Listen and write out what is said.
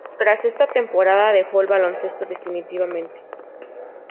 Tras esta temporada dejó el baloncesto definitivamente.